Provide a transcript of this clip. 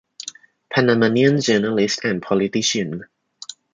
Panamanian journalist and politician.